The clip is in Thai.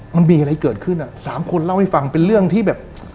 มันมีอะไรเกิดขึ้นอ่ะสามคนเล่าให้ฟังเป็นเรื่องที่แบบ